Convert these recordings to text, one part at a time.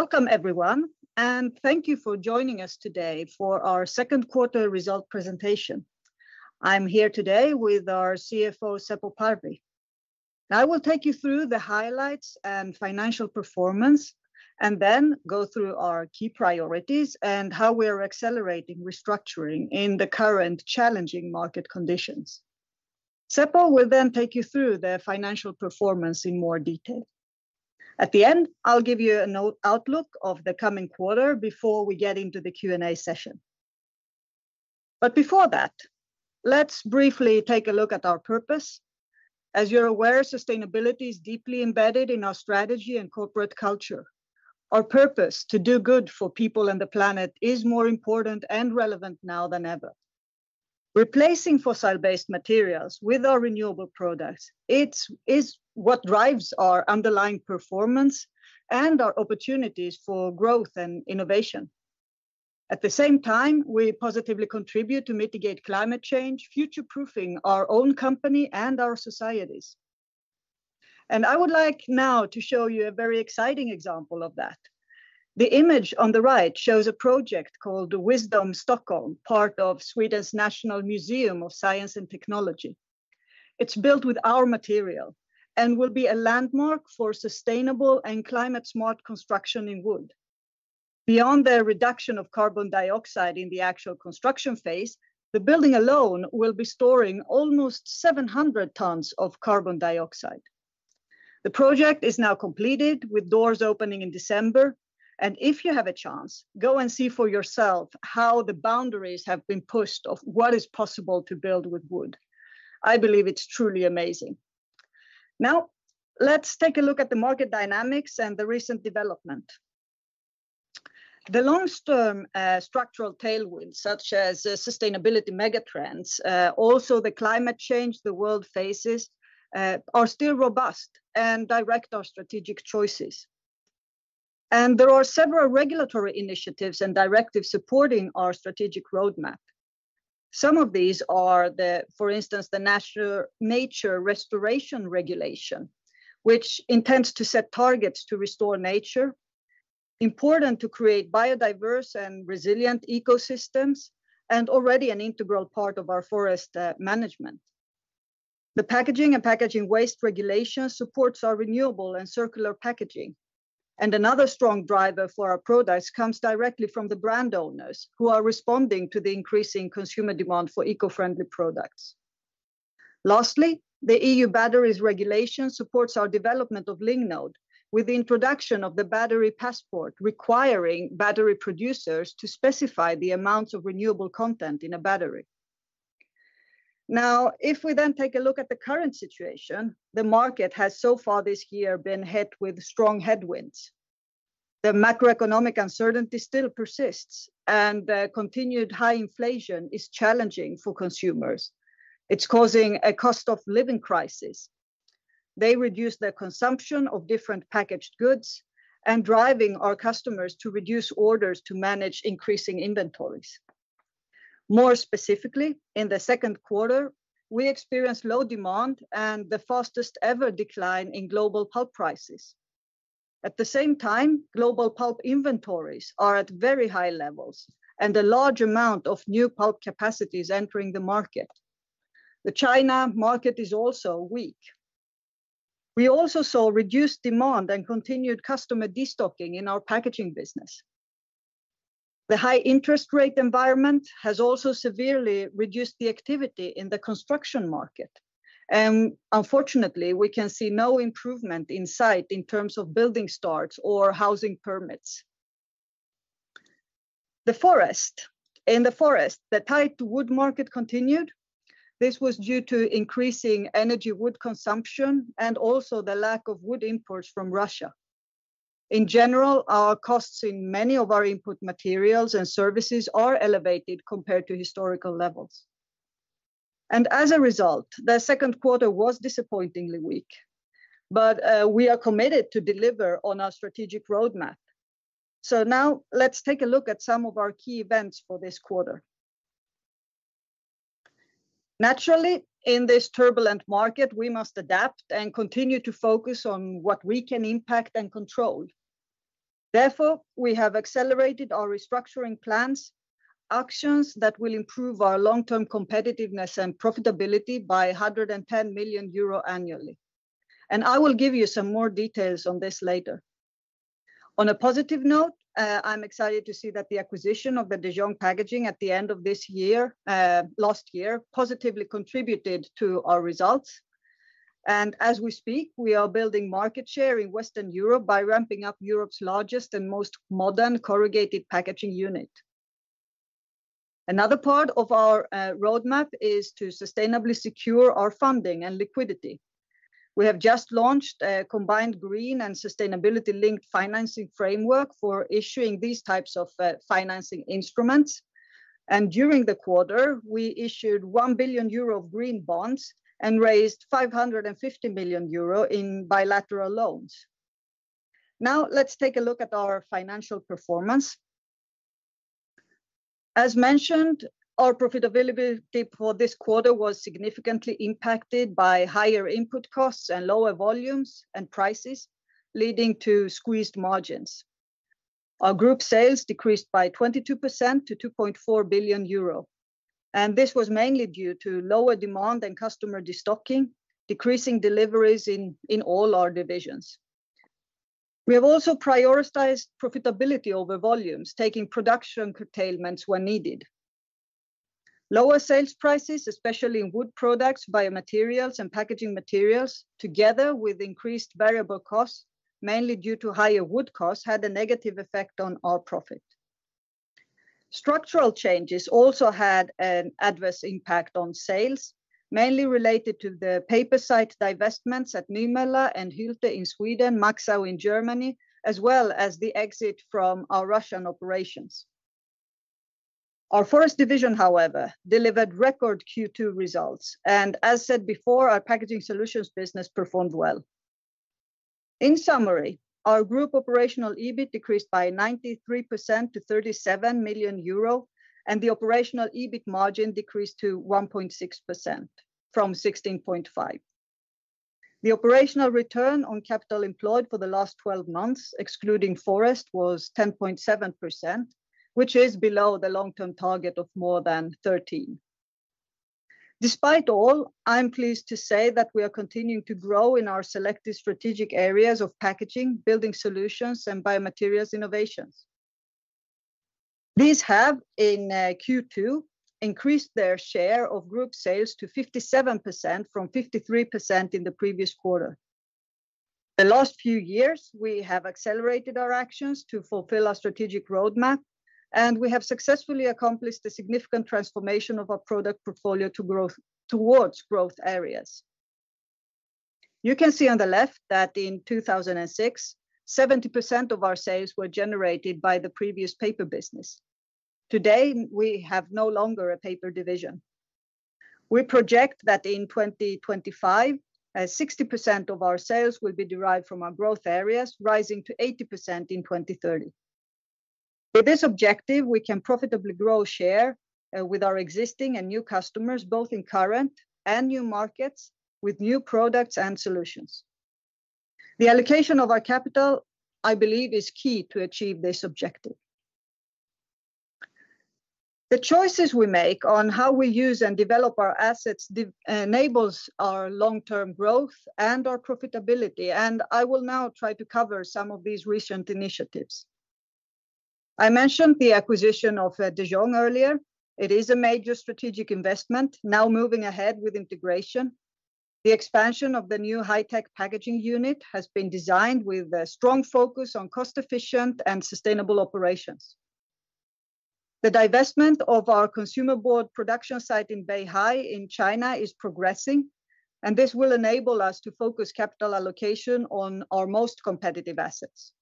Welcome everyone, and thank you for joining us today for our second quarter result presentation. I'm here today with our CFO, Seppo Parvi. I will take you through the highlights and financial performance, and then go through our key priorities and how we are accelerating restructuring in the current challenging market conditions. Seppo will then take you through the financial performance in more detail. At the end, I'll give you a note outlook of the coming quarter before we get into the Q&A session. Before that, let's briefly take a look at our purpose. As you're aware, sustainability is deeply embedded in our strategy and corporate culture. Our purpose, to do good for people and the planet, is more important and relevant now than ever. Replacing fossil-based materials with our renewable products, it is what drives our underlying performance and our opportunities for growth and innovation. At the same time, we positively contribute to mitigate climate change, future-proofing our own company and our societies. I would like now to show you a very exciting example of that. The image on the right shows a project called Wisdome Stockholm, part of Sweden's National Museum of Science and Technology. It's built with our material and will be a landmark for sustainable and climate-smart construction in wood. Beyond the reduction of carbon dioxide in the actual construction phase, the building alone will be storing almost 700 tons of carbon dioxide. The project is now completed, with doors opening in December, and if you have a chance, go and see for yourself how the boundaries have been pushed of what is possible to build with wood. I believe it's truly amazing. Now, let's take a look at the market dynamics and the recent development. The long-term structural tailwinds, such as sustainability megatrends, also the climate change the world faces, are still robust and direct our strategic choices. There are several regulatory initiatives and directives supporting our strategic roadmap. Some of these are, for instance, the Nature Restoration Regulation, which intends to set targets to restore nature. Important to create biodiverse and resilient ecosystems, and already an integral part of our forest management. The Packaging and Packaging Waste Regulation supports our renewable and circular packaging, and another strong driver for our products comes directly from the brand owners, who are responding to the increasing consumer demand for eco-friendly products. Lastly, the EU Batteries Regulation supports our development of Lignode, with the introduction of the battery passport, requiring battery producers to specify the amounts of renewable content in a battery. If we then take a look at the current situation, the market has so far this year been hit with strong headwinds. The macroeconomic uncertainty still persists, and the continued high inflation is challenging for consumers. It's causing a cost of living crisis. They reduce their consumption of different packaged goods and driving our customers to reduce orders to manage increasing inventories. More specifically, in the second quarter, we experienced low demand and the fastest-ever decline in global pulp prices. Global pulp inventories are at very high levels, and a large amount of new pulp capacity is entering the market. The China market is also weak. We also saw reduced demand and continued customer de-stocking in our packaging business. The high interest rate environment has also severely reduced the activity in the construction market, unfortunately, we can see no improvement in sight in terms of building starts or housing permits. The forest. In the forest, the tight wood market continued. This was due to increasing energy wood consumption and also the lack of wood imports from Russia. In general, our costs in many of our input materials and services are elevated compared to historical levels. As a result, the second quarter was disappointingly weak. We are committed to deliver on our strategic roadmap. Now let's take a look at some of our key events for this quarter. Naturally, in this turbulent market, we must adapt and continue to focus on what we can impact and control. We have accelerated our restructuring plans, actions that will improve our long-term competitiveness and profitability by 110 million euro annually. I will give you some more details on this later. On a positive note, I'm excited to see that the acquisition of De Jong Packaging at the end of last year positively contributed to our results. As we speak, we are building market share in Western Europe by ramping up Europe's largest and most modern corrugated packaging unit. Another part of our roadmap is to sustainably secure our funding and liquidity. We have just launched a combined Green and Sustainability-Linked Financing Framework for issuing these types of financing instruments. During the quarter, we issued 1 billion euro of green bonds and raised 550 million euro in bilateral loans. Now, let's take a look at our financial performance. As mentioned, our profitability for this quarter was significantly impacted by higher input costs and lower volumes and prices, leading to squeezed margins. Our group sales decreased by 22% to 2.4 billion euro, and this was mainly due to lower demand and customer de-stocking, decreasing deliveries in all our divisions. We have also prioritized profitability over volumes, taking production curtailments when needed. Lower sales prices, especially in Wood Products, Biomaterials, and Packaging Materials, together with increased variable costs, mainly due to higher wood costs, had a negative effect on our profit. Structural changes also had an adverse impact on sales, mainly related to the paper site divestments at Nymölla and Hylte in Sweden, Maxau in Germany, as well as the exit from our Russian operations. Our Forest division, however, delivered record Q2 results, and as said before, our Packaging Solutions business performed well. In summary, our group operational EBIT decreased by 93% to 37 million euro, and the operational EBIT margin decreased to 1.6% from 16.5%. The operational return on capital employed for the last 12 months, excluding Forest, was 10.7%, which is below the long-term target of more than 13%. Despite all, I'm pleased to say that we are continuing to grow in our selective strategic areas of packaging, building solutions, and Biomaterials innovations. These have, in Q2, increased their share of group sales to 57% from 53% in the previous quarter. The last few years, we have accelerated our actions to fulfill our strategic roadmap, and we have successfully accomplished a significant transformation of our product portfolio towards growth areas. You can see on the left that in 2006, 70% of our sales were generated by the previous paper business. Today, we have no longer a paper division. We project that in 2025, 60% of our sales will be derived from our growth areas, rising to 80% in 2030. With this objective, we can profitably grow share with our existing and new customers, both in current and new markets, with new products and solutions. The allocation of our capital, I believe, is key to achieve this objective. The choices we make on how we use and develop our assets enables our long-term growth and our profitability. I will now try to cover some of these recent initiatives. I mentioned the acquisition of De Jong earlier. It is a major strategic investment, now moving ahead with integration. The expansion of the new high-tech packaging unit has been designed with a strong focus on cost-efficient and sustainable operations. The divestment of our consumer board production site in Beihai in China is progressing. This will enable us to focus capital allocation on our most competitive assets.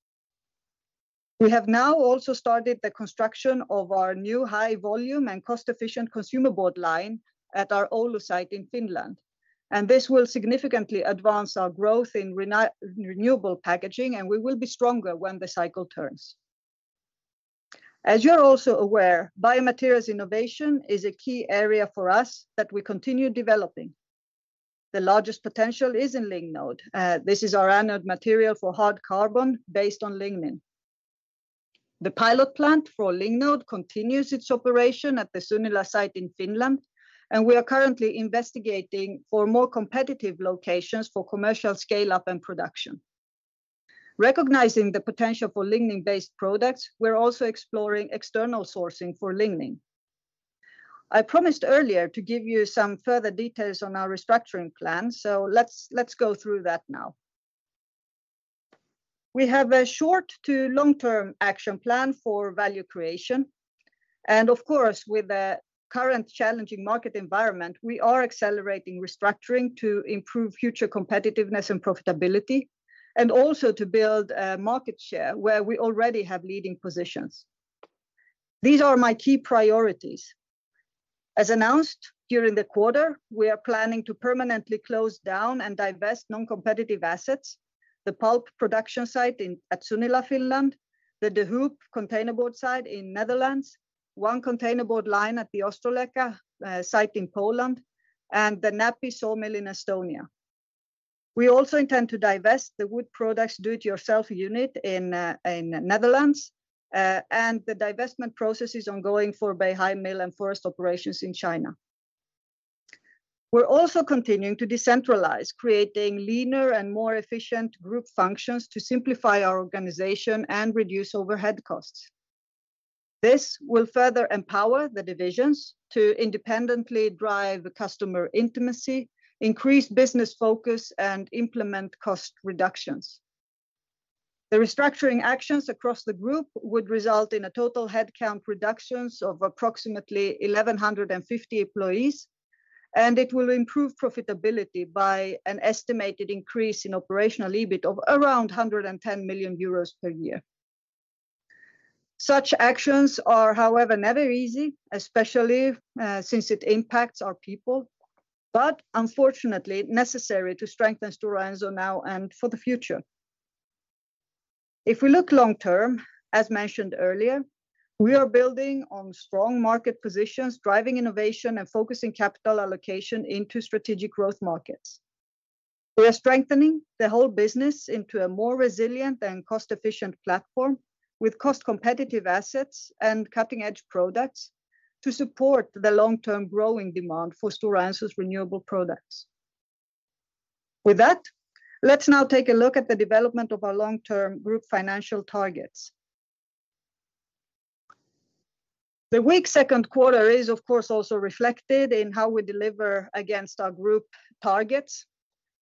We have now also started the construction of our new high volume and cost-efficient consumer board line at our Oulu site in Finland. This will significantly advance our growth in renewable packaging. We will be stronger when the cycle turns. As you're also aware, Biomaterials innovation is a key area for us that we continue developing. The largest potential is in Lignode. This is our anode material for hard carbon based on lignin. The pilot plant for Lignode continues its operation at the Sunila site in Finland, and we are currently investigating for more competitive locations for commercial scale-up and production. Recognizing the potential for lignin-based products, we're also exploring external sourcing for lignin. I promised earlier to give you some further details on our restructuring plan, let's go through that now. We have a short to long-term action plan for value creation, of course, with the current challenging market environment, we are accelerating restructuring to improve future competitiveness and profitability, and also to build market share where we already have leading positions. These are my key priorities. As announced during the quarter, we are planning to permanently close down and divest non-competitive assets, the pulp production site at Sunila, Finland, the De Hoop containerboard site in Netherlands, one containerboard line at the Ostroleka site in Poland, and the Näpi sawmill in Estonia. We also intend to divest the Wood Products do-it-yourself unit in Netherlands, and the divestment process is ongoing for Beihai Mill and Forest operations in China. We're also continuing to decentralize, creating leaner and more efficient group functions to simplify our organization and reduce overhead costs. This will further empower the divisions to independently drive customer intimacy, increase business focus, and implement cost reductions. The restructuring actions across the group would result in a total headcount reductions of approximately 1,150 employees. It will improve profitability by an estimated increase in operational EBIT of around 110 million euros per year. Such actions are, however, never easy, especially since it impacts our people, but unfortunately necessary to strengthen Stora Enso now and for the future. If we look long term, as mentioned earlier, we are building on strong market positions, driving innovation, and focusing capital allocation into strategic growth markets. We are strengthening the whole business into a more resilient and cost-efficient platform, with cost-competitive assets and cutting-edge products to support the long-term growing demand for Stora Enso's renewable products. With that, let's now take a look at the development of our long-term group financial targets. The weak second quarter is, of course, also reflected in how we deliver against our group targets,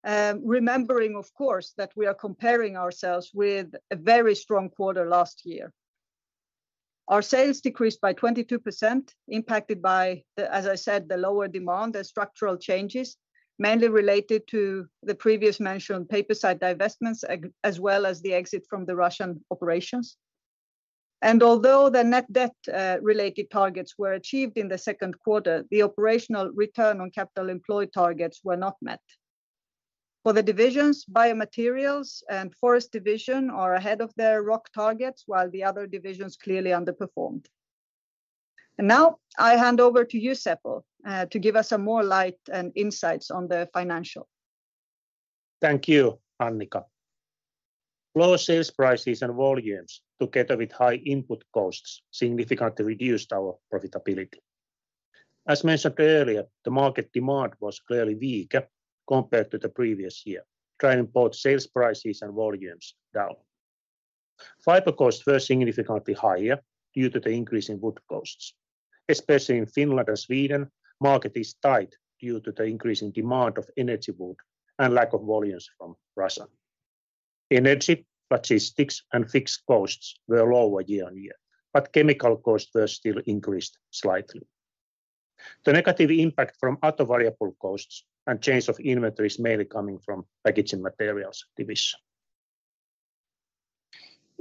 remembering, of course, that we are comparing ourselves with a very strong quarter last year. Our sales decreased by 22%, impacted by the, as I said, the lower demand and structural changes, mainly related to the previous mentioned paper site divestments, as well as the exit from the Russian operations. Although the net debt related targets were achieved in the second quarter, the operational return on capital employed targets were not met. For the divisions, Biomaterials and Forest division are ahead of their ROC targets, while the other divisions clearly underperformed. Now, I hand over to you, Seppo, to give us some more light and insights on the financial. Thank you, Annica. Lower sales prices and volumes, together with high input costs, significantly reduced our profitability. As mentioned earlier, the market demand was clearly weak compared to the previous year, driving both sales prices and volumes down. Fiber costs were significantly higher due to the increase in wood costs. Especially in Finland and Sweden, market is tight due to the increase in demand of energy wood and lack of volumes from Russia. Energy, logistics, and fixed costs were lower year-on-year, but chemical costs were still increased slightly. The negative impact from other variable costs and chains of inventory is mainly coming from Packaging Materials division.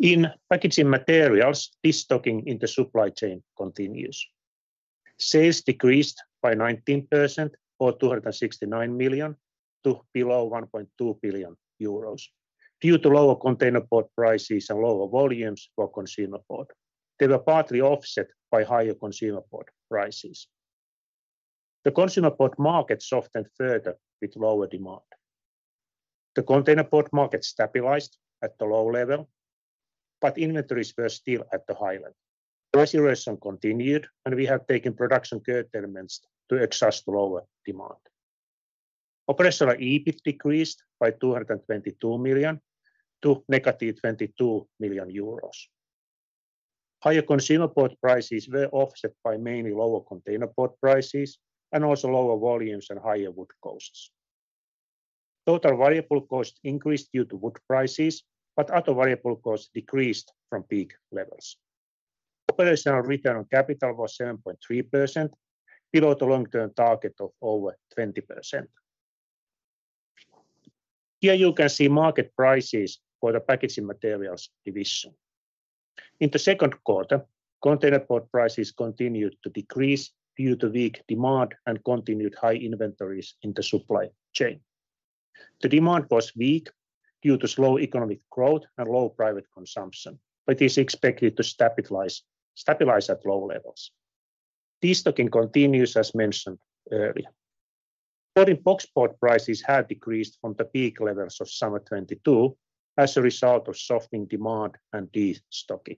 In Packaging Materials, destocking in the supply chain continues. Sales decreased by 19%, or 269 million, to below 1.2 billion euros due to lower containerboard prices and lower volumes for consumer board. They were partly offset by higher consumer board prices. The consumer board market softened further with lower demand. The containerboard market stabilized at a low level. Inventories were still at a high level. Price erosion continued. We have taken production curtailments to adjust to lower demand. Operational EBIT decreased by 222 million to negative 22 million euros. Higher consumer board prices were offset by mainly lower containerboard prices and also lower volumes and higher wood costs. Total variable costs increased due to wood prices. Other variable costs decreased from peak levels. Operational return on capital was 7.3%, below the long-term target of over 20%. Here you can see market prices for the Packaging Materials division. In the second quarter, containerboard prices continued to decrease due to weak demand and continued high inventories in the supply chain. The demand was weak due to slow economic growth and low private consumption, but is expected to stabilize at low levels. Destocking continues, as mentioned earlier. Board and boxboard prices have decreased from the peak levels of summer 2022 as a result of softening demand and de-stocking.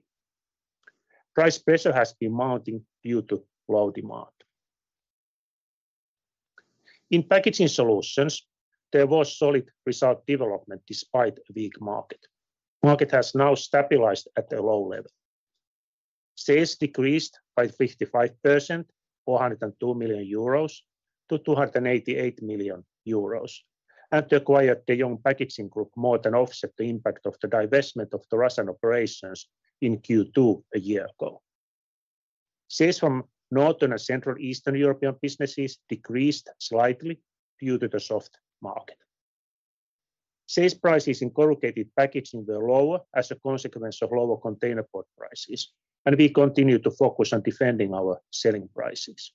Price pressure has been mounting due to low demand. In Packaging Solutions, there was solid result development despite a weak market. Market has now stabilized at a low level. Sales decreased by 55%, or 102 million euros, to 288 million euros, and the acquired De Jong Packaging Group more than offset the impact of the divestment of the Russian operations in Q2 a year ago. Sales from Northern and Central Eastern European businesses decreased slightly due to the soft market. Sales prices in corrugated packaging were lower as a consequence of lower containerboard prices, and we continue to focus on defending our selling prices.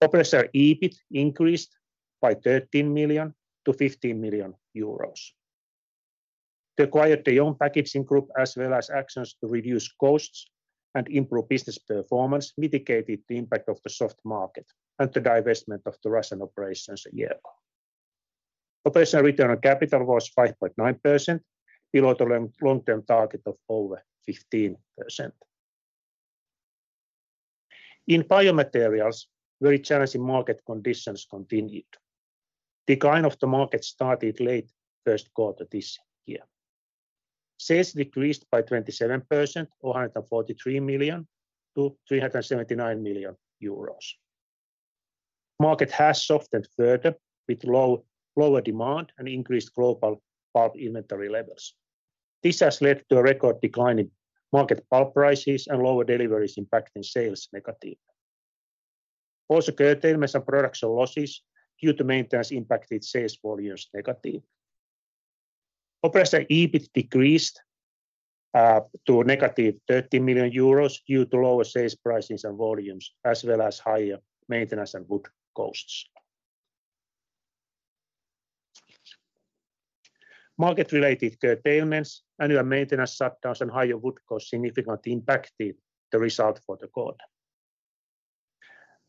Operational EBIT increased by 13 million EUR-15 million EUR. The acquired De Jong Packaging Group, as well as actions to reduce costs and improve business performance, mitigated the impact of the soft market and the divestment of the Russian operations a year ago. Operational return on capital was 5.9%, below the long-term target of over 15%. In Biomaterials, very challenging market conditions continued. Decline of the market started late first quarter this year. Sales decreased by 27%, or 143 million EUR, to 379 million euros. Market has softened further, with lower demand and increased global pulp inventory levels. This has led to a record decline in market pulp prices and lower deliveries impacting sales negatively. Curtailments and production losses due to maintenance impacted sales volumes negatively. operational EBIT decreased to negative 13 million euros due to lower sales prices and volumes, as well as higher maintenance and wood costs. Market-related curtailments, annual maintenance shutdowns, and higher wood costs significantly impacted the result for the quarter.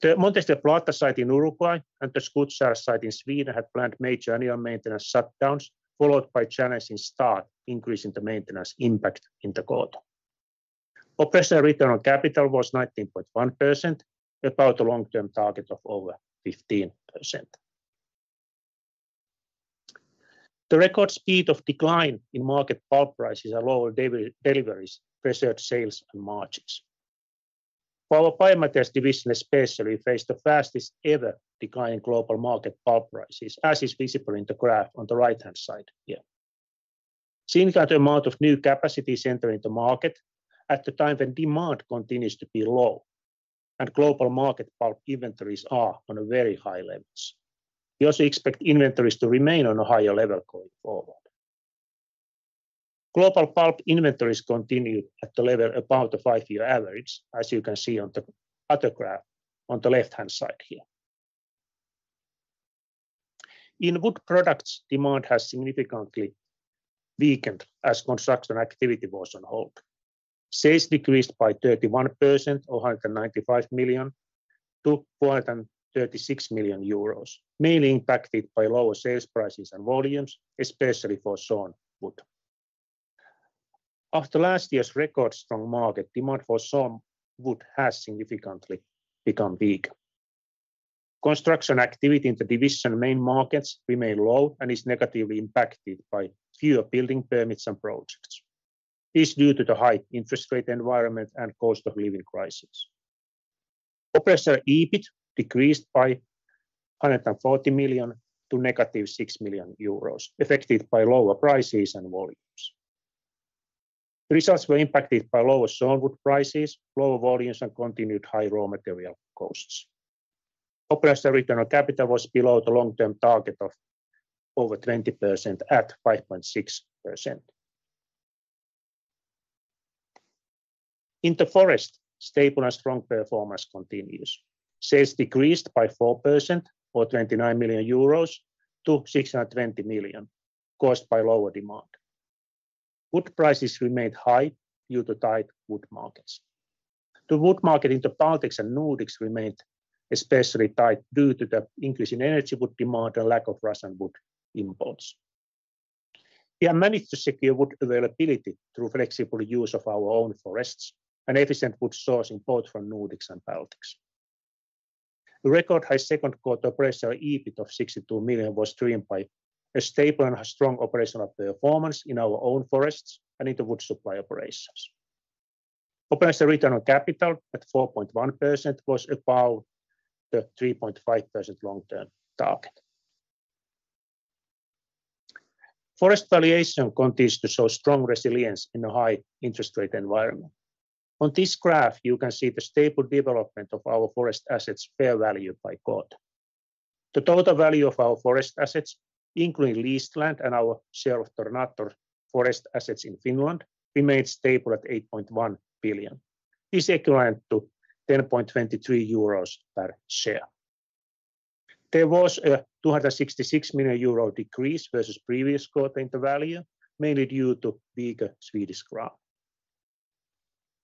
The Montes del Plata site in Uruguay and the Skutskär site in Sweden had planned major annual maintenance shutdowns, followed by challenges in start, increasing the maintenance impact in the quarter. operational return on capital was 19.1%, above the long-term target of over 15%. The record speed of decline in market pulp prices and lower deliveries pressured sales and margins. Our Biomaterials especially faced the fastest ever decline in global market pulp prices, as is visible in the graph on the right-hand side here. Significant amount of new capacity is entering the market at a time when demand continues to be low, and global market pulp inventories are on very high levels. We also expect inventories to remain on a higher level going forward. Global pulp inventories continue at the level above the five-year average, as you can see on the other graph on the left-hand side here. In Wood Products, demand has significantly weakened as construction activity was on hold. Sales decreased by 31%, or 195 million, to 436 million euros, mainly impacted by lower sales prices and volumes, especially for sawn wood. After last year's record-strong market, demand for sawn wood has significantly become weak. Construction activity the Wood Products division main markets remain low and is negatively impacted by fewer building permits and projects. This is due to the high interest rate environment and cost of living crisis. Operational EBIT decreased by 140 million to negative 6 million euros, affected by lower prices and volumes. Results were impacted by lower sawn wood prices, lower volumes, and continued high raw material costs. Operational return on capital was below the long-term target of over 20%, at 5.6%. In the Forest, stable and strong performance continues. Sales decreased by 4%, or 29 million euros, to 620 million, caused by lower demand. Wood prices remained high due to tight wood markets. The wood market in the Baltics and Nordics remained especially tight due to the increase in energy wood demand and lack of Russian wood imports. We have managed to secure wood availability through flexible use of our own forests and efficient wood sourcing, both from Nordics and Baltics. The record high second quarter operational EBIT of 62 million was driven by a stable and a strong operational performance in our own forests and in the wood supply operations. Operational return on capital, at 4.1%, was above the 3.5% long-term target. Forest valuation continues to show strong resilience in a high interest rate environment. On this graph, you can see the stable development of our forest assets' fair value by quarter. The total value of our forest assets, including leased land and our share of Tornator forest assets in Finland, remained stable at 8.1 billion. This equivalent to 10.23 euros per share. There was a 266 million euro decrease versus previous quarter in the value, mainly due to weaker Swedish crown.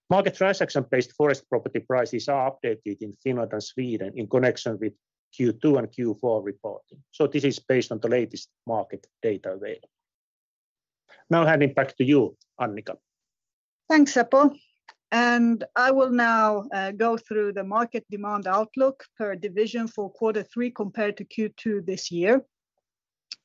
Market transaction-based forest property prices are updated in Finland and Sweden in connection with Q2 and Q4 reporting, this is based on the latest market data available. Handing back to you, Annica. Thanks, Seppo. I will now go through the market demand outlook per division for Q3 compared to Q2 this year.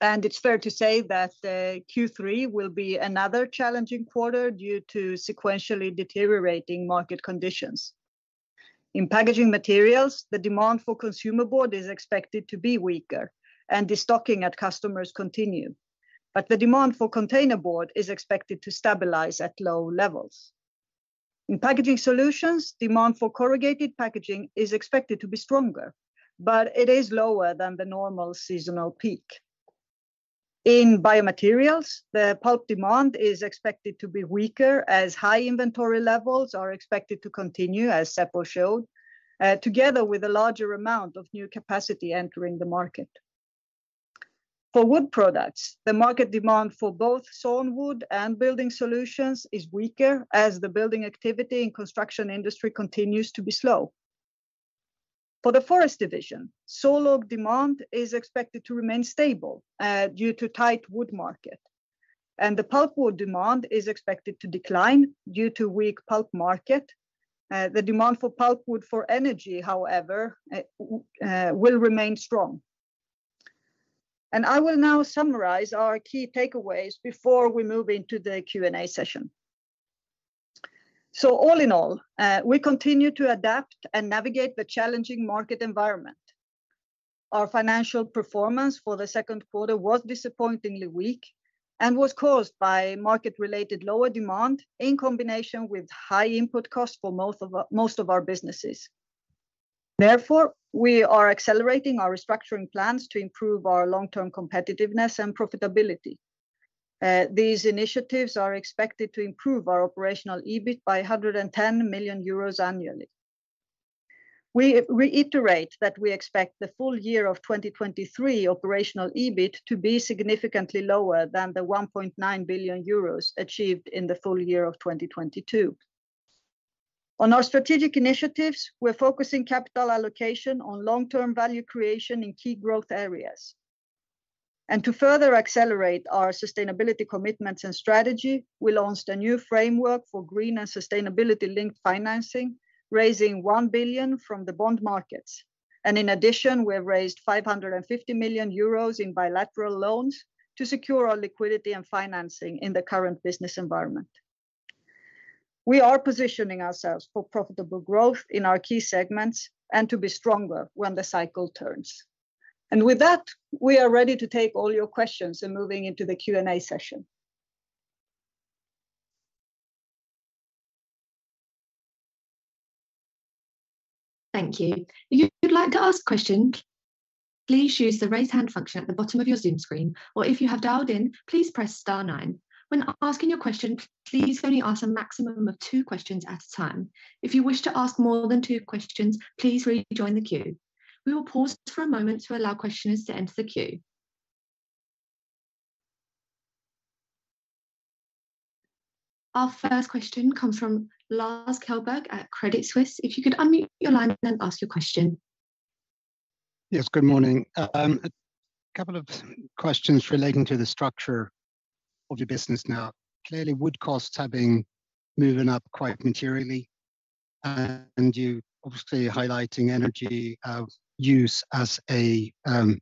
It's fair to say that Q3 will be another challenging quarter due to sequentially deteriorating market conditions. In Packaging Materials, the demand for consumer board is expected to be weaker, and destocking at customers continue, but the demand for containerboard is expected to stabilize at low levels. In Packaging Solutions, demand for corrugated packaging is expected to be stronger, but it is lower than the normal seasonal peak. In Biomaterials, the pulp demand is expected to be weaker, as high inventory levels are expected to continue, as Seppo showed, together with a larger amount of new capacity entering the market. For Wood Products, the market demand for both sawn wood and building solutions is weaker, as the building activity and construction industry continues to be slow. For the Forest division, solid demand is expected to remain stable due to tight wood market, and the pulpwood demand is expected to decline due to weak pulp market. The demand for pulpwood for energy, however, will remain strong. I will now summarize our key takeaways before we move into the Q&A session. All in all, we continue to adapt and navigate the challenging market environment. Our financial performance for the second quarter was disappointingly weak and was caused by market-related lower demand, in combination with high input costs for most of our businesses. Therefore, we are accelerating our restructuring plans to improve our long-term competitiveness and profitability. These initiatives are expected to improve our operational EBIT by 110 million euros annually. We iterate that we expect the full year of 2023 operational EBIT to be significantly lower than the 1.9 billion euros achieved in the full year of 2022. On our strategic initiatives, we're focusing capital allocation on long-term value creation in key growth areas. To further accelerate our sustainability commitments and strategy, we launched a new framework for green and sustainability-linked financing, raising 1 billion from the bond markets. In addition, we have raised 550 million euros in bilateral loans to secure our liquidity and financing in the current business environment. We are positioning ourselves for profitable growth in our key segments and to be stronger when the cycle turns. With that, we are ready to take all your questions in moving into the Q&A session. Thank you. If you'd like to ask a question, please use the raise hand function at the bottom of your Zoom screen, or if you have dialed in, please press star nine. When asking your question, please only ask a maximum of two questions at a time. If you wish to ask more than two questions, please rejoin the queue. We will pause for a moment to allow questioners to enter the queue. Our first question comes from Lars Kjellberg at Credit Suisse. If you could unmute your line and ask your question. Yes, good morning. A couple of questions relating to the structure of your business now. Clearly, wood costs have been moving up quite materially, and you're obviously highlighting energy use as an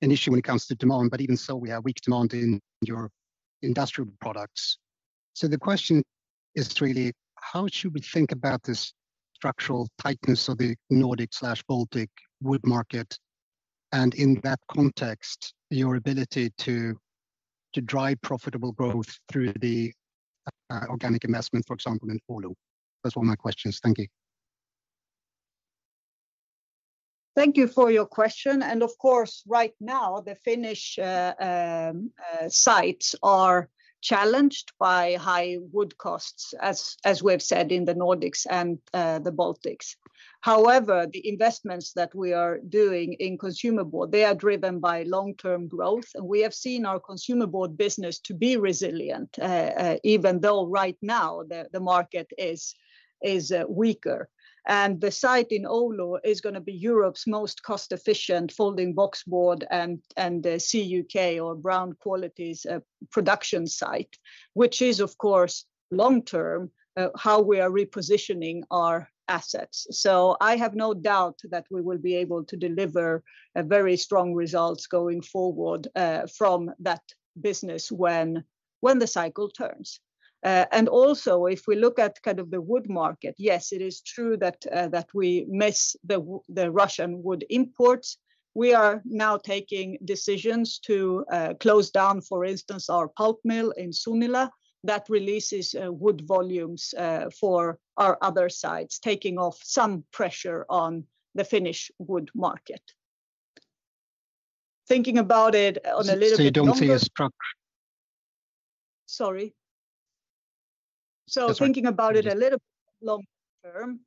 issue when it comes to demand, but even so, we have weak demand in your industrial products. The question is really: how should we think about this structural tightness of the Nordic/Baltic wood market, and in that context, your ability to drive profitable growth through the organic investment, for example, in Oulu? That's all my questions. Thank you. Thank you for your question. Of course, right now, the Finnish sites are challenged by high wood costs, as we've said, in the Nordics and the Baltics. However, the investments that we are doing in consumer board, they are driven by long-term growth, and we have seen our consumer board business to be resilient even though right now the market is weaker. The site in Oulu is gonna be Europe's most cost-efficient folding boxboard and CUK or brown qualities production site, which is, of course, long-term how we are repositioning our assets. I have no doubt that we will be able to deliver a very strong results going forward from that business when the cycle turns. Also, if we look at kind of the wood market, yes, it is true that we miss the Russian wood imports. We are now taking decisions to close down, for instance, our pulp mill in Sunila, that releases wood volumes for our other sites, taking off some pressure on the Finnish wood market. Thinking about it on a little bit longer. you don't see a strong- Sorry. That's all right. Thinking about it a little long term,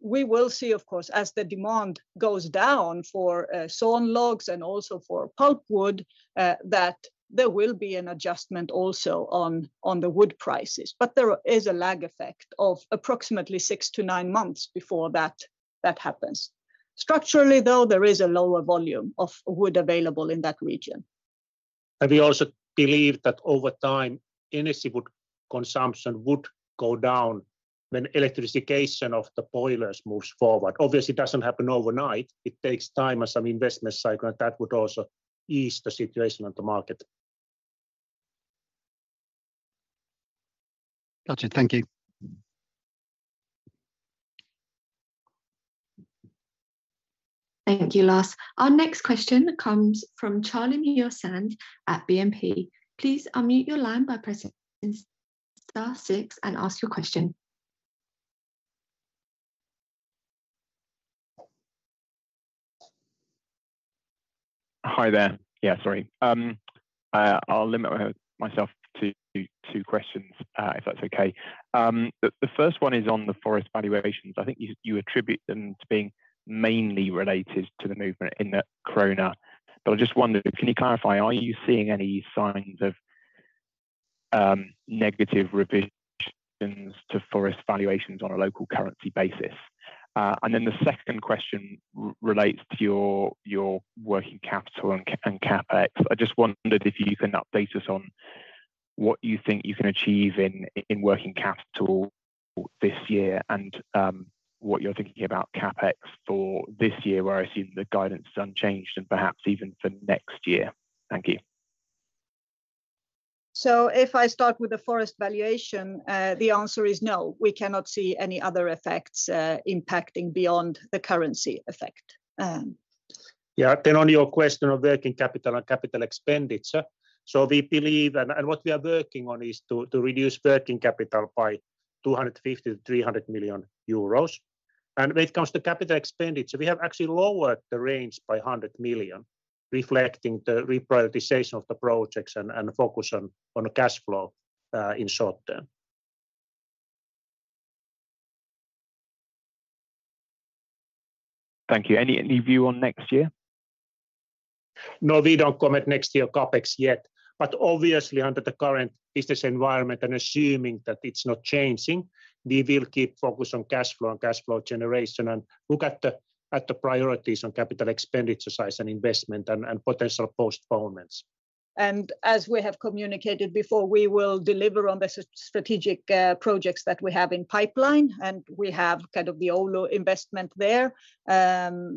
we will see, of course, as the demand goes down for sawn logs and also for pulpwood, that there will be an adjustment also on the wood prices. But there is a lag effect of approximately six to nine months before that happens. Structurally, though, there is a lower volume of wood available in that region. We also believe that over time, energy wood consumption would go down when electrification of the boilers moves forward. Obviously, it doesn't happen overnight. It takes time and some investment cycle, and that would also ease the situation on the market. Got you. Thank you. Thank you, Lars. Our next question comes from Charlie Muir-Sands at BNP. Please unmute your line by pressing star six and ask your question. Hi there. Yeah, sorry. I'll limit myself to two questions if that's okay. The first one is on the Forest valuations. I think you attribute them to being mainly related to the movement in the krona. I just wondered, can you clarify, are you seeing any signs of negative revisions to Forest valuations on a local currency basis? The second question relates to your working capital and CapEx. I just wondered if you can update us on what you think you can achieve in working capital this year and what you're thinking about CapEx for this year, where I assume the guidance is unchanged and perhaps even for next year. Thank you. If I start with the Forest valuation, the answer is no, we cannot see any other effects impacting beyond the currency effect. Yeah, on your question on working capital and CapEx, we believe. What we are working on is to reduce working capital by 250 million-300 million euros. When it comes to CapEx, we have actually lowered the range by 100 million, reflecting the reprioritization of the projects and focus on cash flow in short term. Thank you. Any view on next year? We don't comment next year CapEx yet, but obviously under the current business environment, and assuming that it's not changing, we will keep focused on cash flow and cash flow generation, and look at the priorities on capital expenditure size and investment and potential postponements. As we have communicated before, we will deliver on the strategic projects that we have in pipeline, and we have kind of the Oulu investment there,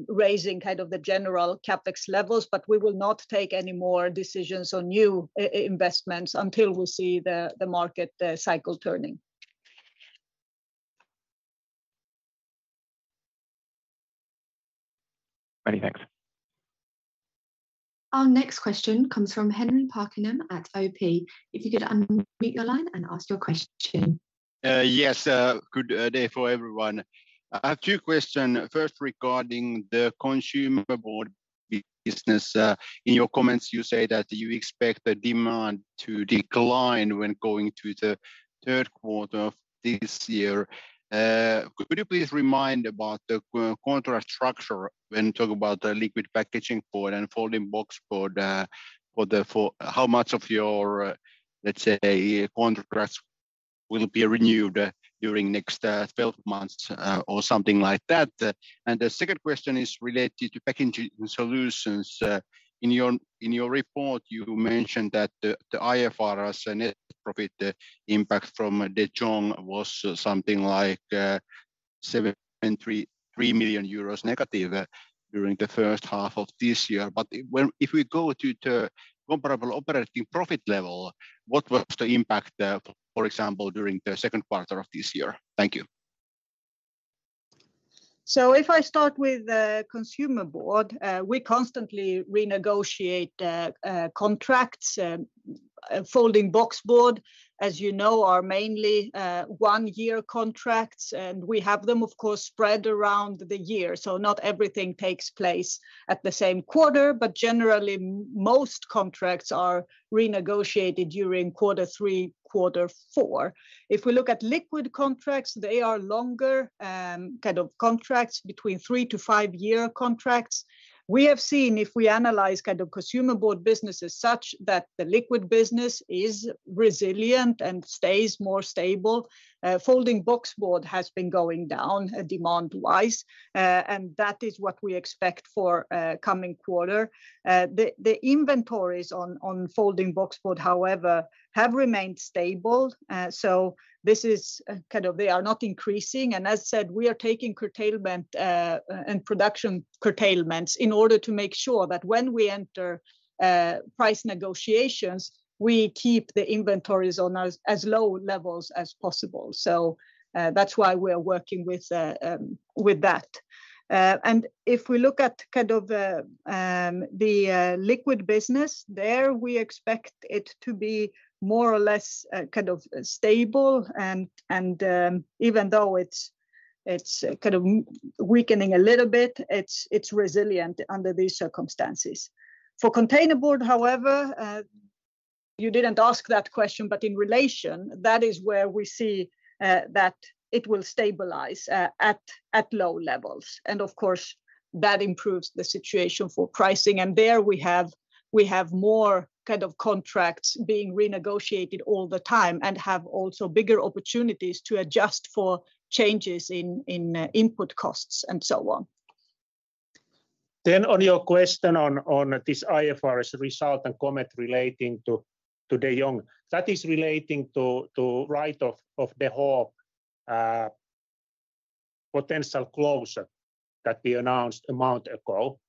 raising kind of the general CapEx levels, but we will not take any more decisions on new investments until we see the market cycle turning. Many tthanks. Our next question comes from Henri Parkkinen at OP. If you could unmute your line and ask your question. Yes, good day for everyone. I have two question. First, regarding the consumer board business. In your comments, you say that you expect the demand to decline when going to the third quarter of this year. Could you please remind about the contract structure when you talk about the liquid packaging board and folding boxboard, for the... How much of your, let's say, contracts will be renewed during next 12 months, or something like that? The second question is related to packaging solutions. In your report, you mentioned that the IFRS net profit impact from De Jong was something like 73 million euros negative during the first half of this year. If we go to the comparable operating profit level, what was the impact, for example, during the second quarter of this year? Thank you. If I start with the consumer board, we constantly renegotiate contracts. Folding boxboard, as you know, are mainly one-year contracts, and we have them, of course, spread around the year. Not everything takes place at the same quarter, but generally, most contracts are renegotiated during quarter three, quarter four. If we look at liquid contracts, they are longer, kind of contracts, between three to five-year contracts. We have seen, if we analyze kind of consumer board businesses, such that the liquid business is resilient and stays more stable. Folding boxboard has been going down, demand-wise, and that is what we expect for coming quarter. The inventories on folding boxboard, however, have remained stable. This is kind of they are not increasing, and as said, we are taking curtailment, and production curtailments in order to make sure that when we enter price negotiations, we keep the inventories on as low levels as possible. That's why we are working with that. If we look at kind of, the liquid business, there, we expect it to be more or less kind of stable, and even though it's kind of weakening a little bit, it's resilient under these circumstances. For containerboard, however, you didn't ask that question, but in relation, that is where we see that it will stabilize at low levels. Of course, that improves the situation for pricing, and there we have more kind of contracts being renegotiated all the time and have also bigger opportunities to adjust for changes in input costs and so on. On your question on this IFRS result and comment relating to De Jong, that is relating to write-off of the whole potential closure that we announced a month ago.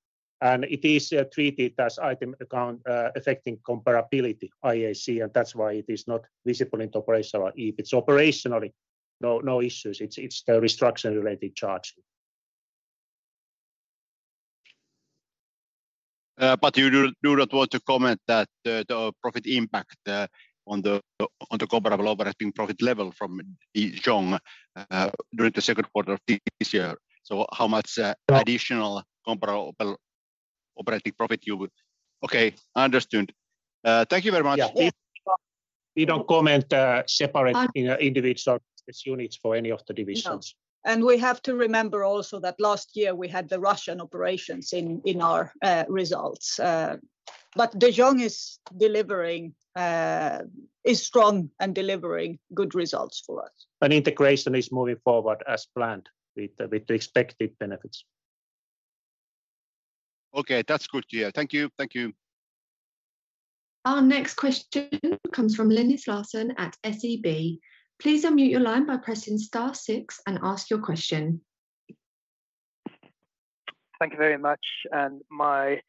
It is treated as item account affecting comparability, IAC, and that's why it is not visible into operational. If it's operationally, no issues, it's the restructure-related charging. You do not want to comment that the profit impact, on the comparable operating profit level from De Jong, during the second quarter of this year. How much additional comparable operating profit you would... Okay, understood. Thank you very much. Yeah. Yeah. We don't comment. Uh... individual business units for any of the divisions. No. We have to remember also that last year we had the Russian operations in our results. De Jong is strong and delivering good results for us. Integration is moving forward as planned, with the expected benefits. Okay, that's good to hear. Thank you. Thank you. Our next question comes from Linus Larsson at SEB. Please unmute your line by pressing star 6 and ask your question. Thank you very much. My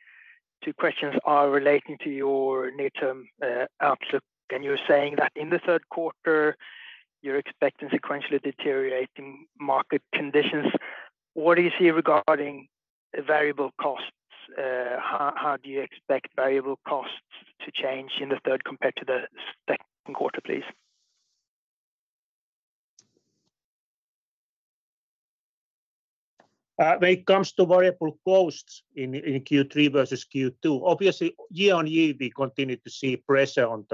two questions are relating to your near-term, outlook, and you're saying that in the third quarter, you're expecting sequentially deteriorating market conditions. What do you see regarding variable costs? How do you expect variable costs to change in the third compared to the second quarter, please? When it comes to variable costs in Q3 versus Q2, obviously, year-over-year, we continue to see pressure on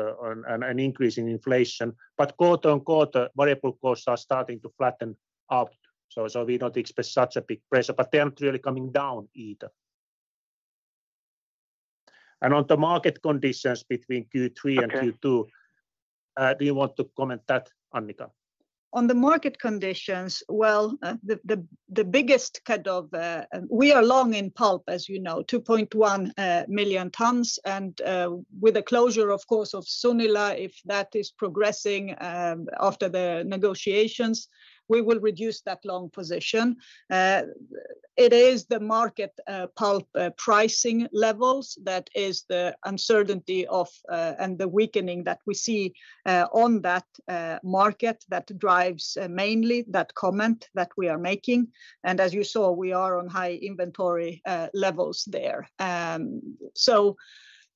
an increase in inflation. Quarter-over-quarter, variable costs are starting to flatten out, so we don't expect such a big pressure, but they're not really coming down either. On the market conditions between Q3 and Q2. Okay. Do you want to comment that, Annica? On the market conditions, well, the biggest kind of, we are long in pulp, as you know, 2.1 million tons. With the closure, of course, of Sunila, if that is progressing, after the negotiations, we will reduce that long position. It is the market pulp pricing levels that is the uncertainty of and the weakening that we see on that market that drives mainly that comment that we are making. As you saw, we are on high inventory levels there.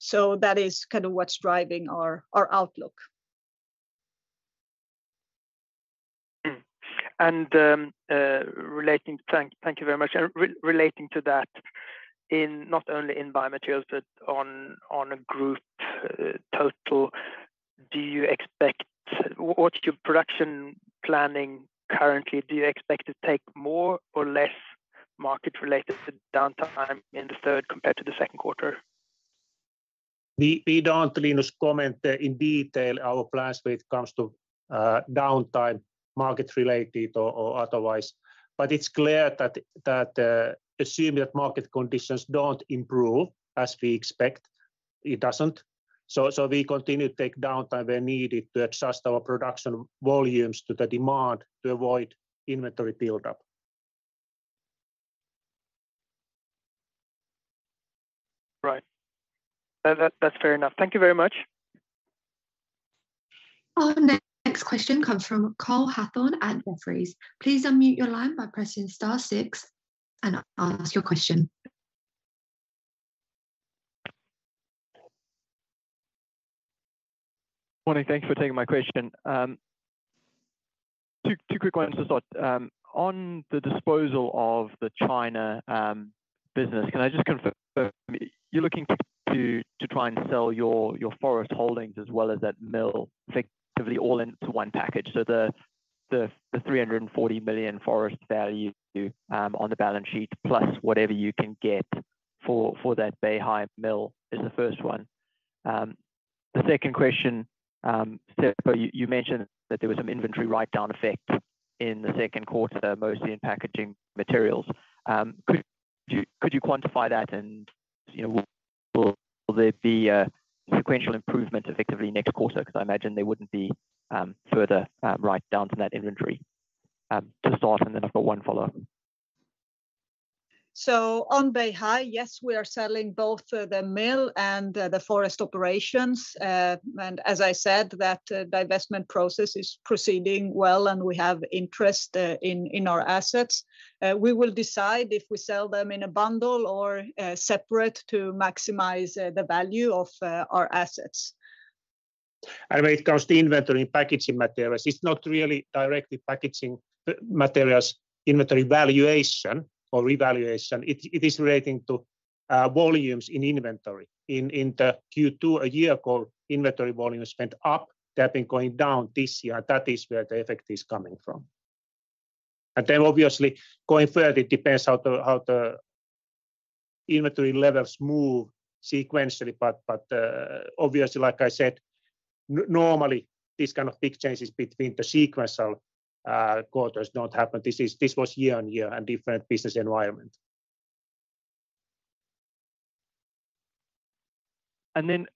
So that is kind of what's driving our outlook. Thank you very much. Relating to that, in not only in Biomaterials but on a group total, what's your production planning currently? Do you expect to take more or less market related to downtime in the third compared to the second quarter? We don't, Linus, comment in detail our plans when it comes to downtime, market related or otherwise. It's clear that assuming that market conditions don't improve as we expect, it doesn't. We continue to take downtime where needed to adjust our production volumes to the demand to avoid inventory buildup. Right. That's fair enough. Thank you very much. Our next question comes from Cole Hathorn at Jefferies. Please unmute your line by pressing star six and ask your question. Morning. Thank you for taking my question. Two quick ones to start. On the disposal of the China business, can I just confirm, you're looking to try and sell your forest holdings as well as that mill, effectively all into one package? The 340 million forest value on the balance sheet, plus whatever you can get for that Beihai Mill is the first one. The second question, you mentioned that there was some inventory write-down effect in the second quarter, mostly in Packaging Materials. Could you quantify that? You know, will there be a sequential improvement effectively next quarter? 'Cause I imagine there wouldn't be further write-down from that inventory. To start, then I've got one follow-up. On Beihai, yes, we are selling both the mill and the forest operations. As I said, that divestment process is proceeding well, we have interest in our assets. We will decide if we sell them in a bundle or separate to maximize the value of our assets. When it comes to inventory packaging materials, it's not really directly packaging materials, inventory valuation or revaluation. It is relating to volumes in inventory. In the Q2 a year ago, inventory volumes went up. They have been going down this year, and that is where the effect is coming from. Then obviously, going further, it depends how the inventory levels move sequentially. But obviously, like I said, normally, these kind of big changes between the sequential quarters don't happen. This was year-on-year and different business environment. Then,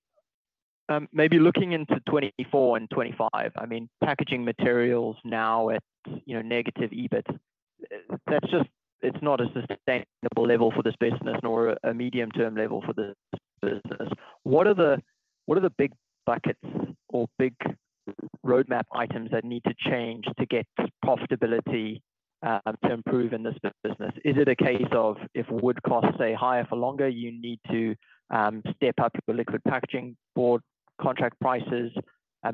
maybe looking into 2024 and 2025, I mean, Packaging Materials now at, you know, negative EBIT, that's just, it's not a sustainable level for this business, nor a medium-term level for this business. What are the big buckets or big roadmap items that need to change to get profitability to improve in this business? Is it a case of if wood costs stay higher for longer, you need to step up your liquid packaging board contract prices?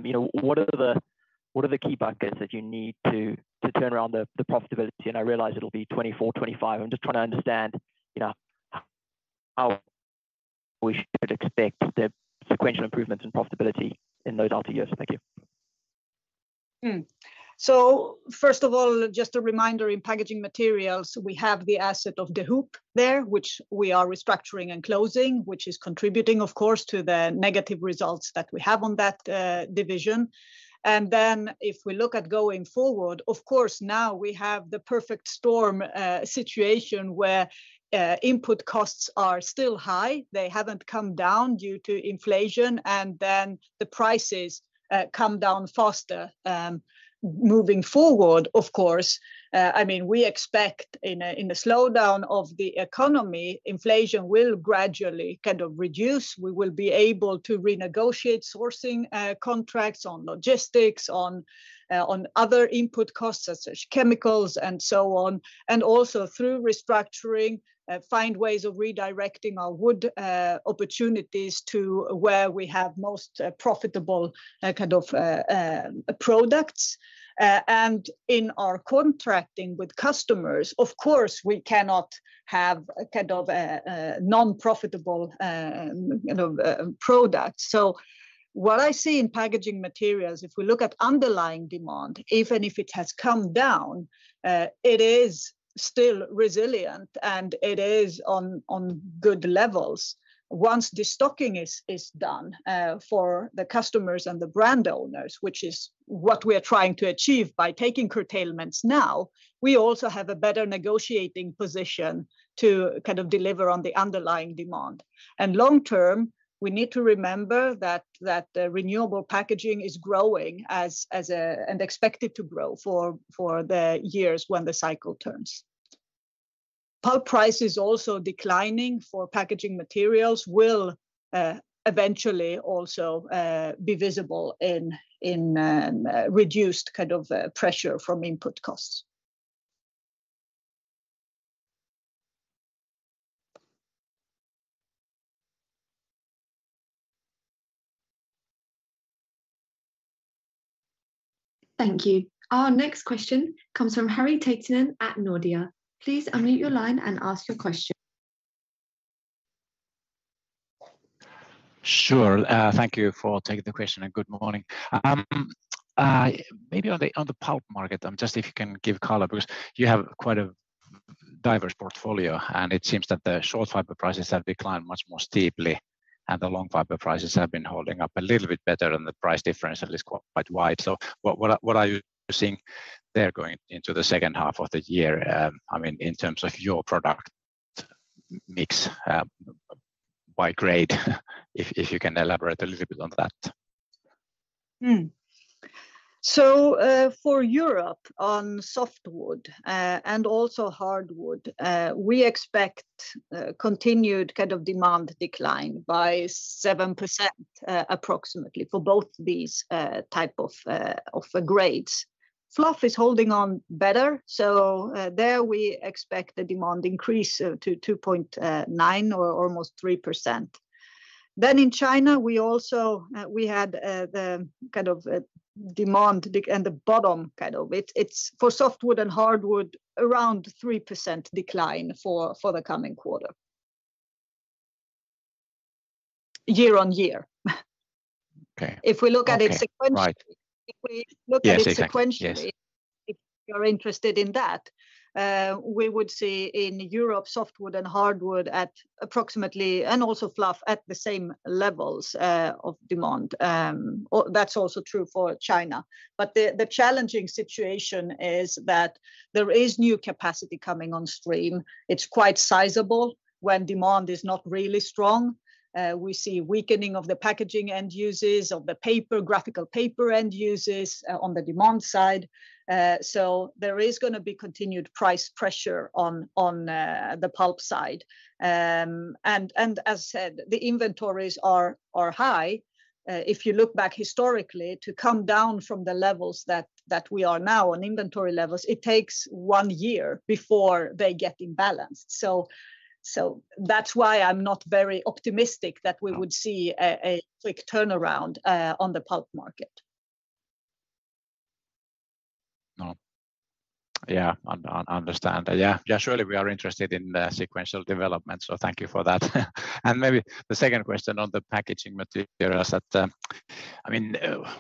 You know, what are the key buckets that you need to turn around the profitability? I realize it'll be 2024, 2025. I'm just trying to understand, you know, how we should expect the sequential improvements in profitability in those latter years. Thank you. First of all, just a reminder, in Packaging Materials, we have the asset of De Hoop there, which we are restructuring and closing, which is contributing, of course, to the negative results that we have on that division. If we look at going forward, of course, now we have the perfect storm, situation where input costs are still high. They haven't come down due to inflation. The prices come down faster. Moving forward, of course, I mean, we expect in a slowdown of the economy, inflation will gradually kind of reduce. We will be able to renegotiate sourcing contracts on logistics, on other input costs, such as chemicals and so on, and also through restructuring, find ways of redirecting our wood opportunities to where we have most profitable kind of products. In our contracting with customers, of course, we cannot have a kind of a non-profitable, you know, product. What I see in Packaging Materials, if we look at underlying demand, even if it has come down, it is still resilient, and it is on good levels. Once the stocking is done for the customers and the brand owners, which is what we are trying to achieve by taking curtailments now, we also have a better negotiating position to kind of deliver on the underlying demand. Long term, we need to remember that the renewable packaging is growing as and expected to grow for the years when the cycle turns. Pulp price is also declining for Packaging Materials, will eventually also be visible in reduced kind of pressure from input costs. Thank you. Our next question comes from Harri Taittonen at Nordea. Please unmute your line and ask your question. Sure. Thank you for taking the question. Good morning. Maybe on the pulp market, just if you can give color, because you have quite a diverse portfolio, and it seems that the short fiber prices have declined much more steeply, and the long fiber prices have been holding up a little bit better and the price difference at least quite wide. What are you seeing there going into the second half of the year, I mean, in terms of your product mix by grade? If you can elaborate a little bit on that. For Europe, on softwood and also hardwood, we expect continued kind of demand decline by 7% approximately for both these type of grades. Fluff is holding on better. There we expect the demand increase to 2.9 or almost 3%. In China, we also had the kind of demand and the bottom kind of. It's for softwood and hardwood, around 3% decline for the coming quarter year-on-year. Okay. If we look at it sequentially- Right. If we look at it sequentially. Yes, exactly. Yes.... if you're interested in that, we would see in Europe, softwood and hardwood at approximately, and also fluff, at the same levels of demand. That's also true for China. The challenging situation is that there is new capacity coming on stream. It's quite sizable when demand is not really strong. We see weakening of the packaging end uses, of the paper, graphical paper end uses, on the demand side. There is gonna be continued price pressure on the pulp side. As said, the inventories are high. If you look back historically, to come down from the levels that we are now on inventory levels, it takes one year before they get imbalanced. That's why I'm not very optimistic that we would see a quick turnaround on the pulp market. No. Understand. Yeah. Yeah, surely we are interested in the sequential development, so thank you for that. I mean,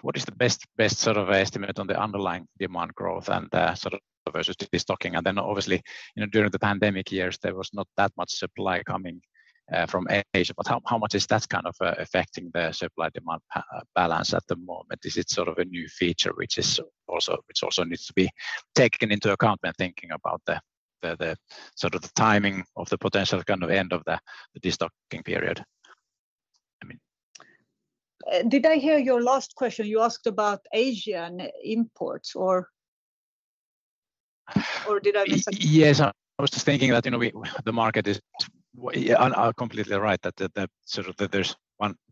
what is the best sort of estimate on the underlying demand growth and the sort of versus the stocking? Obviously, you know, during the pandemic years, there was not that much supply coming from Asia. How much is that kind of affecting the supply-demand balance at the moment? Is it sort of a new feature, which also needs to be taken into account when thinking about the sort of the timing of the potential kind of end of the restocking period, I mean? Did I hear your last question? You asked about Asian imports or did I miss something? Yes, I was just thinking that, you know, the market is completely right, that the sort of, that there's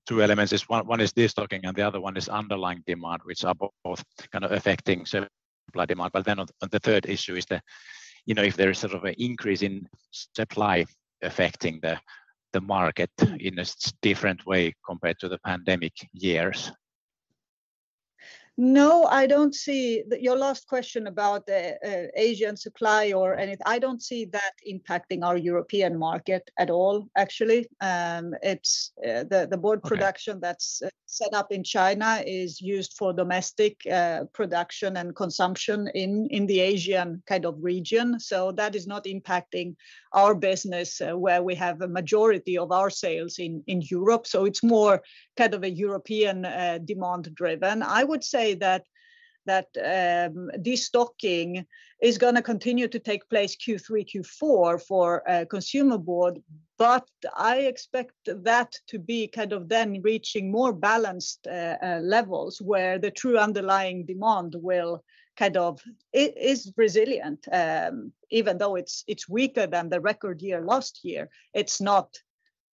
two elements. There's one is this talking, and the other one is underlying demand, which are both kind of affecting certain supply, demand. On the third issue is the, you know, if there is sort of an increase in supply affecting the market in a different way compared to the pandemic years. No, I don't see... Your last question about the, Asian supply or any, I don't see that impacting our European market at all, actually. It's the board production... Okay that's set up in China is used for domestic production and consumption in the Asian kind of region. That is not impacting our business, where we have a majority of our sales in Europe. It's more kind of a European demand-driven. I would say that this stocking is gonna continue to take place Q3, Q4 for consumer board, but I expect that to be kind of then reaching more balanced levels, where the true underlying demand will kind of is resilient. Even though it's weaker than the record year last year, it's not,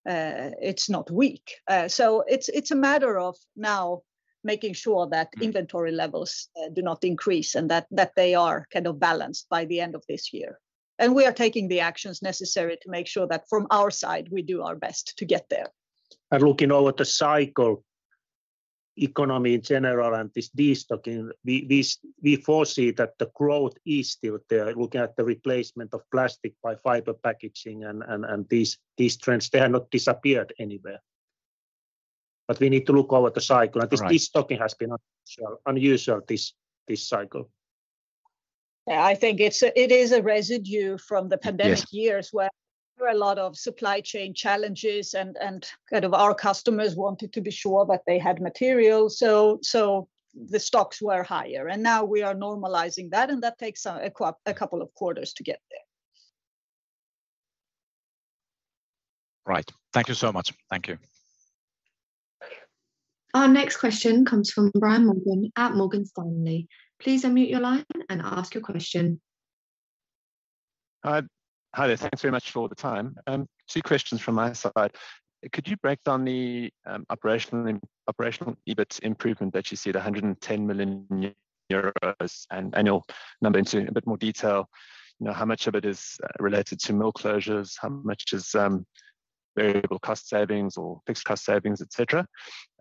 it's not weak. It's a matter of now making sure that inventory levels, do not increase, and that they are kind of balanced by the end of this year. We are taking the actions necessary to make sure that from our side, we do our best to get there. Looking over the cycle, economy in general and this de-stocking, we foresee that the growth is still there, looking at the replacement of plastic by fiber packaging and these trends, they have not disappeared anywhere. We need to look over the cycle. Right. This de-stocking has been unusual, this cycle. Yeah, I think it is a residue from the pandemic. Yes... years, where there were a lot of supply chain challenges and kind of our customers wanted to be sure that they had material, so the stocks were higher. Now we are normalizing that, and that takes a couple of quarters to get there. Right. Thank you so much. Thank you. Our next question comes from Brian Morgan at Morgan Stanley. Please unmute your line and ask your question. Hi there. Thanks very much for the time. Two questions from my side. Could you break down the operational and operational EBIT improvement that you see at 110 million euros and annual number into a bit more detail? You know, how much of it is related to mill closures? How much is variable cost savings or fixed cost savings, et cetera?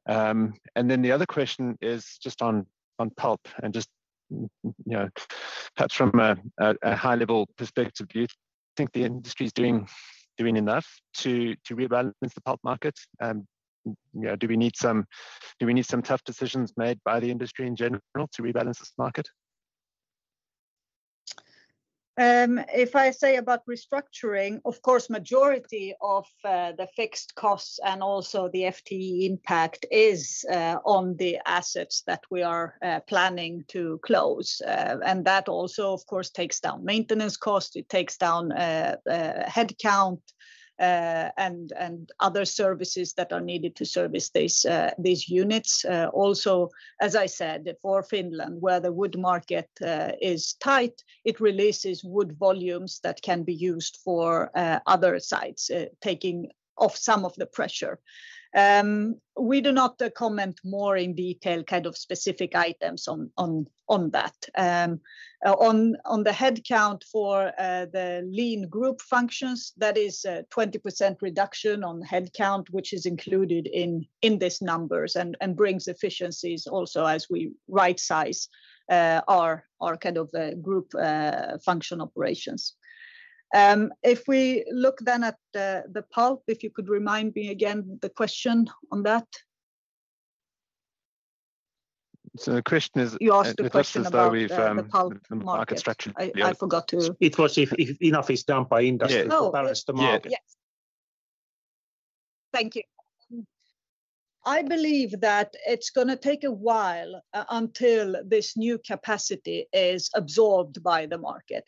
Then the other question is just on pulp and just, you know, perhaps from a high level perspective, do you think the industry is doing enough to re-balance the pulp market? You know, do we need some tough decisions made by the industry in general to re-balance this market? If I say about restructuring, of course, majority of the fixed costs and also the FTE impact is on the assets that we are planning to close. That also, of course, takes down maintenance cost, it takes down headcount, and other services that are needed to service these units. As I said, for Finland, where the wood market is tight, it releases wood volumes that can be used for other sites, taking off some of the pressure. We do not comment more in detail, kind of specific items on that. On the headcount for the lean group functions, that is a 20% reduction on headcount, which is included in these numbers, and brings efficiencies also as we rightsize our kind of group function operations. If we look then at the pulp, if you could remind me again the question on that. The question is. You asked a question about the pulp market.... market structure. I forgot to. It was if enough is done by industry. Yeah... to balance the market. Yeah. Yes. Thank you. I believe that it's gonna take a while until this new capacity is absorbed by the market.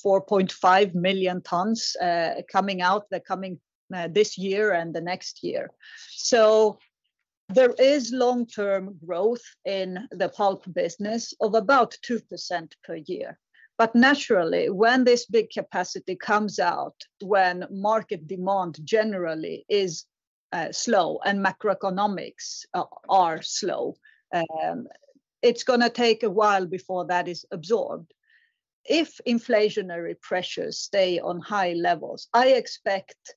It's quite sizable. It's 4.5 million tons coming out, they're coming this year and the next year. There is long-term growth in the pulp business of about 2% per year. Naturally, when this big capacity comes out, when market demand generally is slow and macroeconomics are slow, it's gonna take a while before that is absorbed. If inflationary pressures stay on high levels, I expect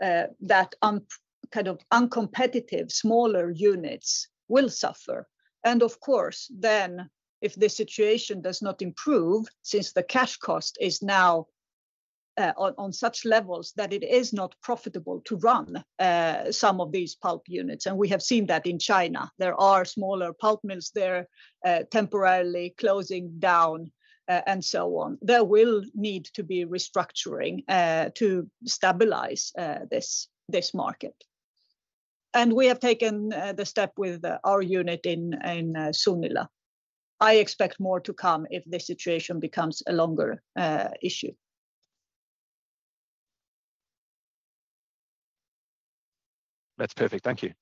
that kind of uncompetitive, smaller units will suffer. Of course, then, if the situation does not improve, since the cash cost is now on such levels that it is not profitable to run some of these pulp units, and we have seen that in China. There are smaller pulp mills there, temporarily closing down, and so on. There will need to be restructuring to stabilize this market. We have taken the step with our unit in Sunila. I expect more to come if the situation becomes a longer issue. That's perfect. Thank you.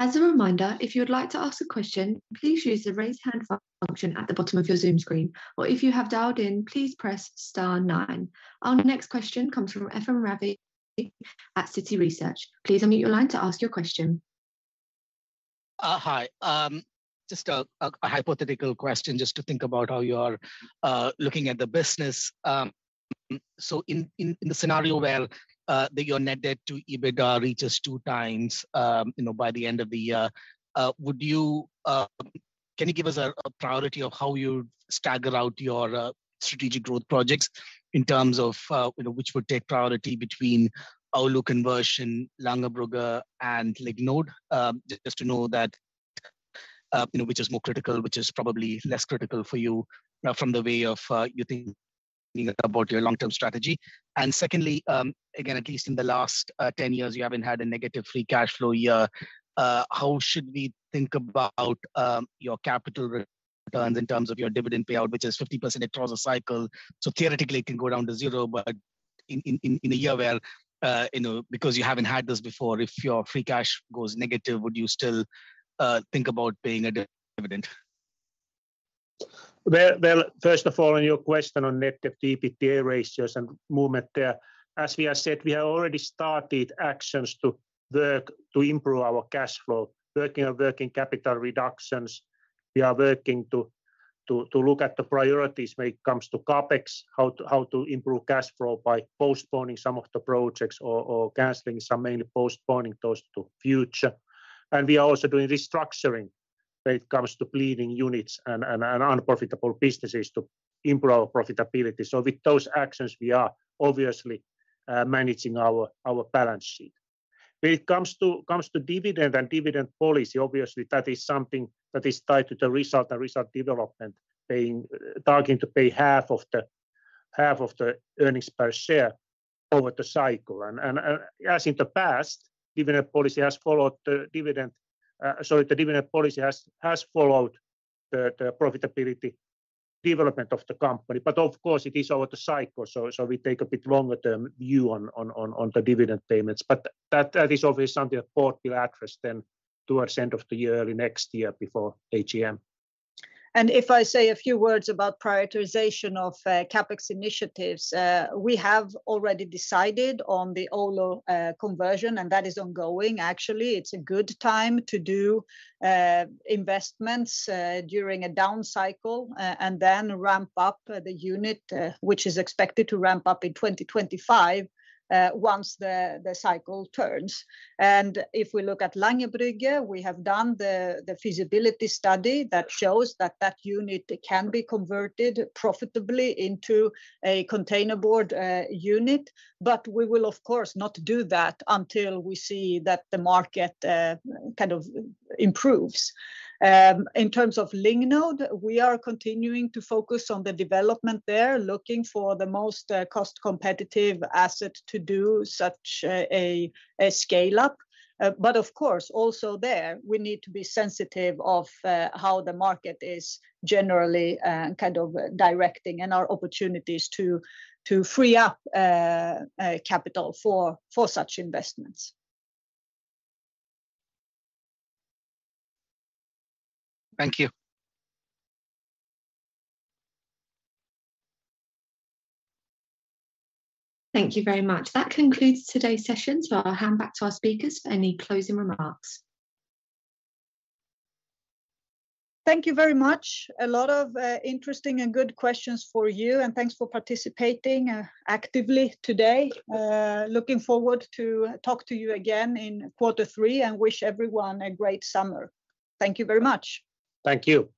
As a reminder, if you'd like to ask a question, please use the raise hand button option at the bottom of your Zoom screen, or if you have dialed in, please press star nine. Our next question comes from Ephrem Ravi at Citi Research. Please unmute your line to ask your question. Hi. Just a hypothetical question, just to think about how you are looking at the business. So in the scenario where your net debt to EBITDA reaches two times, you know, by the end of the year, can you give us a priority of how you stagger out your strategic growth projects in terms of, you know, which would take priority between Oulu conversion, Langerbrugge and Lignode? Just to know that, you know, which is more critical, which is probably less critical for you, from the way of, you think about your long-term strategy. Secondly, again, at least in the last 10 years, you haven't had a negative free cash flow year. How should we think about your capital returns in terms of your dividend payout, which is 50% across the cycle? Theoretically, it can go down to zero, but in a year where, you know, because you haven't had this before, if your free cash goes negative, would you still think about paying a dividend? First of all, on your question on net debt to EBITDA ratios and movement there, as we have said, we have already started actions to work to improve our cash flow, working on working capital reductions. We are working to look at the priorities when it comes to CapEx, how to improve cash flow by postponing some of the projects or canceling some, mainly postponing those to future. We are also doing restructuring when it comes to bleeding units and unprofitable businesses to improve profitability. With those actions, we are obviously managing our balance sheet. When it comes to dividend and dividend policy, obviously, that is something that is tied to the result and result development, targeting to pay half of the earnings per share over the cycle. As in the past, dividend policy has followed the dividend. Sorry, the dividend policy has followed the profitability development of the company, but of course, it is over the cycle. We take a bit longer term view on the dividend payments. That is obviously something the board will address then towards the end of the year, early next year, before AGM. If I say a few words about prioritization of CapEx initiatives, we have already decided on the Oulu conversion, and that is ongoing. Actually, it's a good time to do investments during a down cycle, and then ramp up the unit, which is expected to ramp up in 2025 once the cycle turns. If we look at Langerbrugge, we have done the feasibility study that shows that that unit can be converted profitably into a containerboard unit, but we will, of course, not do that until we see that the market kind of improves. In terms of Lignode, we are continuing to focus on the development there, looking for the most cost-competitive asset to do such a scale-up. Of course, also there, we need to be sensitive of how the market is generally kind of directing and our opportunities to free up capital for such investments. Thank you. Thank you very much. That concludes today's session, so I'll hand back to our speakers for any closing remarks. Thank you very much. A lot of interesting and good questions for you, and thanks for participating actively today. Looking forward to talk to you again in quarter three, and wish everyone a great summer. Thank you very much. Thank you.